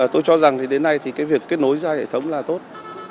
tôi cho rằng thì đến nay thì cái việc kết nối ra hệ thống là tốt